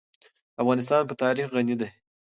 افغانستان په تاریخ غني دی.